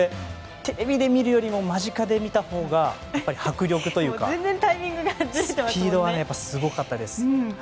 テレビで見るよりも間近で見たほうが、迫力というかスピードはすごかったです。